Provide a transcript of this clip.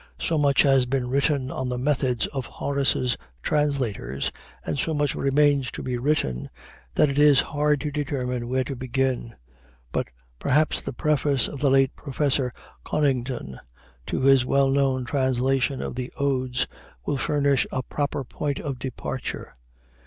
So much has been written on the methods of Horace's translators, and so much remains to be written, that it is hard to determine where to begin; but perhaps the preface of the late Professor Conington to his well known translation of the Odes will furnish a proper point of departure.